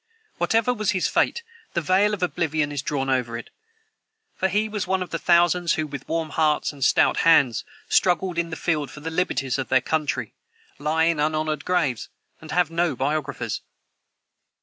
Whatever was his fate, the veil of oblivion is drawn over it, for he was one of the thousands who with warm hearts and stout hands struggled in the field for the liberties of their country, lie in unhonored graves, and have had no biographers.